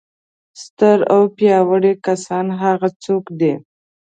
ستر او پیاوړي کسان هغه څوک دي.